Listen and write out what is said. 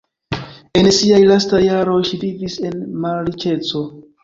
En siaj lastaj jaroj ŝi vivis en malriĉeco.